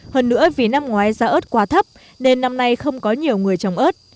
hơn nữa vì năm ngoái giá ớt quá thấp nên năm nay không có nhiều người trồng ớt